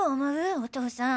お父さん。